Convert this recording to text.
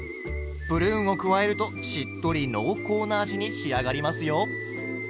プルーンを加えるとしっとり濃厚な味に仕上がりますよ。